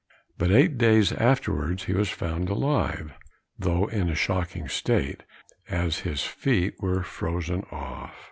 But eight days afterwards, he was found alive, though in a shocking state, as his feet were frozen off.